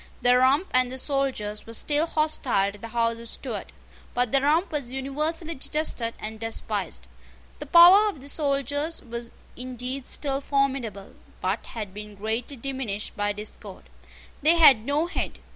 The Rump and the soldiers were still hostile to the House of Stuart. But the Rump was universally detested and despised. The power of the soldiers was indeed still formidable, but had been greatly diminished by discord. They had no head.